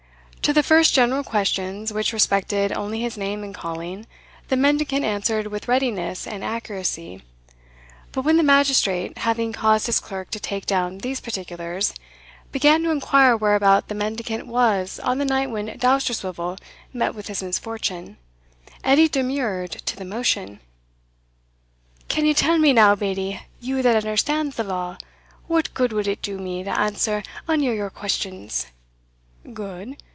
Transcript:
To the first general questions, which respected only his name and calling, the mendicant answered with readiness and accuracy; but when the magistrate, having caused his clerk to take down these particulars, began to inquire whereabout the mendicant was on the night when Dousterswivel met with his misfortune, Edie demurred to the motion. "Can ye tell me now, Bailie, you that understands the law, what gude will it do me to answer ony o' your questions?" "Good?